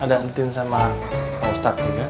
ada atin sama pak ustaz juga